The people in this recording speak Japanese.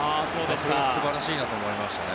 それが素晴らしいなと思いましたね。